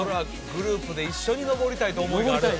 グループで一緒に登りたいという思いがある？